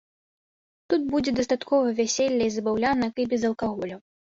Тут будзе дастаткова вяселля і забаўлянак і без алкаголю.